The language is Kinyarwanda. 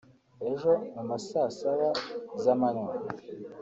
Ejo mu ma saa saba z’amanywa